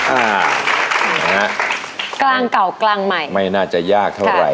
อ่านะฮะกลางเก่ากลางใหม่ไม่น่าจะยากเท่าไหร่